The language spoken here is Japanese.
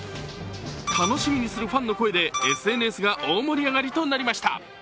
楽しみにするファンの声でＳＮＳが大盛り上がりとなりました。